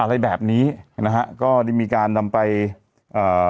อะไรแบบนี้นะฮะก็ได้มีการนำไปเอ่อ